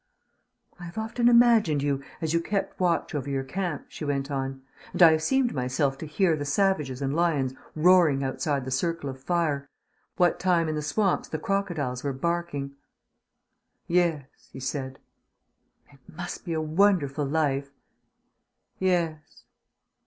"I have often imagined you, as you kept watch over your camp," she went on, "and I have seemed myself to hear the savages and lions roaring outside the circle of fire, what time in the swamps the crocodiles were barking." "Yes," he said. "It must be a wonderful life." "Yes."